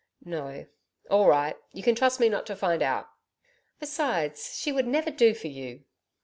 'No. All right. You can trust me not to find out.' 'Besides, she would never do for you.'